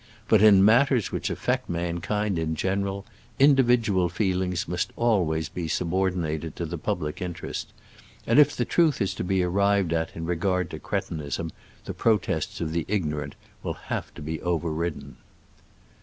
But in matters which affect mankind in general, individual feelings must always be subordinated to the public interest; and if the truth is to be arrived at in regard to cretinism, the protests of the ignorant will have to be overridden.